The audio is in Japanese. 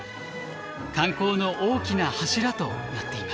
観光の大きな柱となっています。